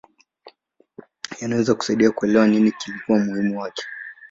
Yanaweza kusaidia kuelewa nini ilikuwa muhimu kwake.